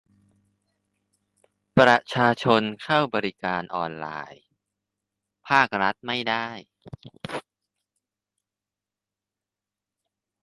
ประชาชนเข้าบริการออนไลน์ภาครัฐไม่ได้